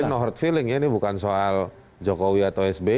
jadi no hard feeling ya ini bukan soal jokowi atau sby